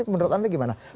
menurut anda bagaimana